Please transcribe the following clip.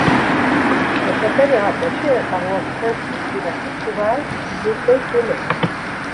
La chapelle est rattachée à la paroisse Saint-Yves-de-la-Côte-sauvage du diocèse de Nantes.